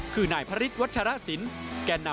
คือนายพระฤิชย์วัชฌาสิน